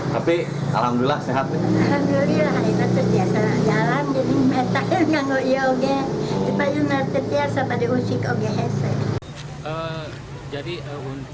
tapi alhamdulillah sehat